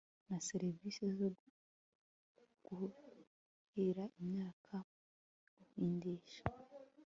na serivisi zo kuhira imyaka guhingisha